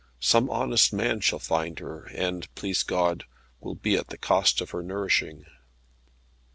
Some honest man shall find her, and please God will be at the cost of her nourishing."